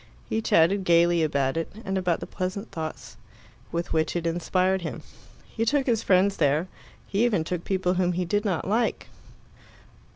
He chatted gaily about it, and about the pleasant thoughts with which it inspired him; he took his friends there; he even took people whom he did not like.